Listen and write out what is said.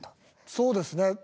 そうですね。